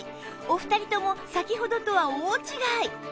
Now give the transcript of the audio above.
お二人とも先ほどとは大違い！